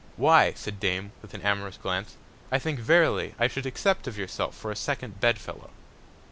Why, said Dame, with an amorous Glance, I think verily I should accept of yourself for a second Bed fellow.